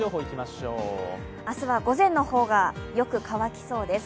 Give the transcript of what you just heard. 明日は午前の方がよく乾きそうです。